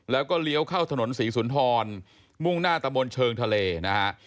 แล้วก็เลี้ยวเข้าถนนศรีสุนทรมุ่งหน้าตะบนเชิงทะเลนะฮะ